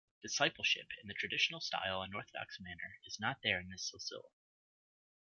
Discipleship of the traditional style and orthodox manner is not there in this silsila.